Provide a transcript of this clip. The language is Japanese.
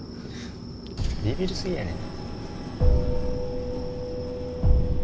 ビビり過ぎやねん。